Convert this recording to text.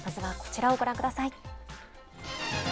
こちらをご覧ください。